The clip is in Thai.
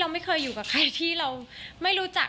ไม่เคยอยู่กับใครที่เราไม่รู้จัก